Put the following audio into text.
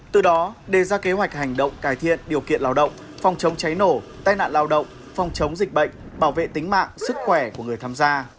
từ đó đề ra kế hoạch hành động cải thiện điều kiện lao động phòng chống cháy nổ tai nạn lao động phòng chống dịch bệnh bảo vệ tính mạng sức khỏe của người tham gia